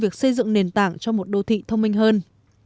cho một đô thị thông minh hơn